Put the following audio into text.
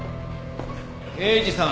刑事さん